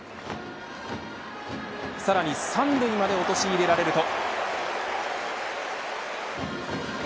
さらに三塁まで陥れられると。